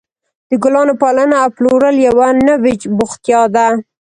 د ګلانو پالنه او پلورل یوه نوې بوختیا ده.